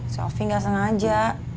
selvi gak sengaja